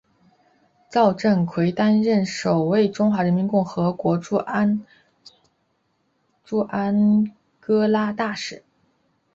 赵振魁担任首位中华人民共和国驻安哥拉大使。